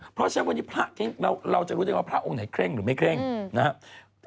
เพราะฉะนั้นประวจะรู้ถึงนาว่าพระองค์อะไรเคร่งหรือไม่เคร่งนะฮะ